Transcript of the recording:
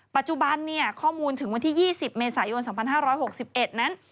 ปัจจุบันเนี่ยข้อมูลถึงวันที่๒๐เมษายน๒๕๖๑นั้น